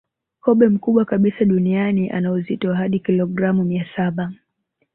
Kobe mkubwa kabisa duniani ana uzito wa hadi kilogramu mia saba